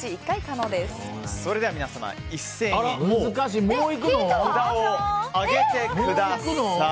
それでは皆様、一斉に札を上げてください。